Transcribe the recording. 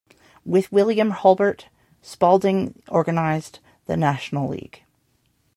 With William Hulbert, Spalding organized the National League.